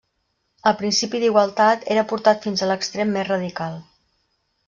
El principi d'igualtat era portat fins a l'extrem més radical.